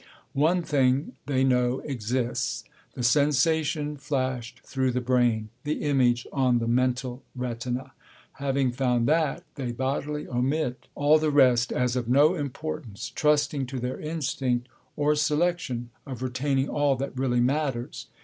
One thing, they know, exists: the sensation flashed through the brain, the image on the mental retina. Having found that, they bodily omit all the rest as of no importance, trusting to their instinct of selection, of retaining all that really matters.